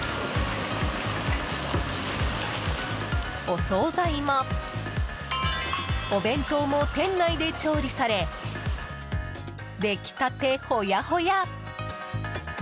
お総菜もお弁当も店内で調理され出来たてほやほや！